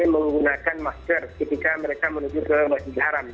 menggunakan masker ketika mereka menuju ke masjid haram